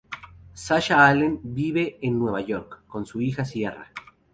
Sasha Allen vive en Nueva York, con su hija, Sierra.